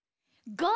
ゴー！